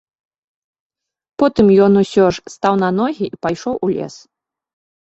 Потым ён усё ж стаў на ногі і пайшоў у лес.